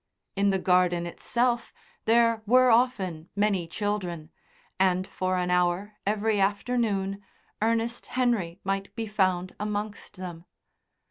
In the garden itself there were often many children, and for an hour every afternoon Ernest Henry might be found amongst them.